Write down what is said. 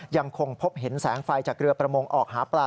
ยังคงพบเห็นแสงไฟจากเรือประมงออกหาปลา